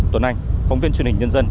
tuấn anh phóng viên truyền hình nhân dân